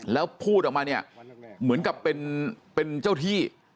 แล้วพูดออกมาเนี่ยเหมือนกับเป็นเจ้าที่